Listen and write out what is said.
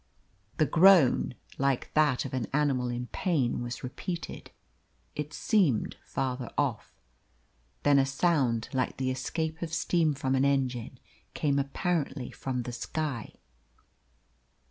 The groan, like that of an animal in pain, was repeated. It seemed farther off. Then a sound like the escape of steam from an engine came apparently from the sky.